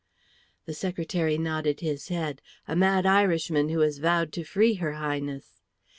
The secretary nodded his head. "A mad Irishman who has vowed to free her Highness."